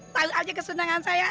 tahu aja kesenangan saya